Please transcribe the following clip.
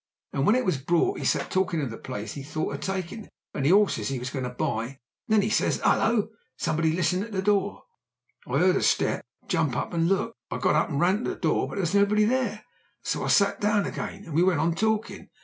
And when it was brought we sat talkin' of the place he'd thought o' takin' an' the 'orses he was goin' to buy, an' then 'e says, ''Ullo! Somebody listenin' at the door. I 'eard a step. Jump up and look.' I got up and ran to the door, but there was nobody there, so I sat down again and we went on talking.